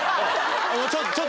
ちょっと！